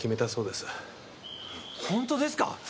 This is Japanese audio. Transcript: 本当ですか？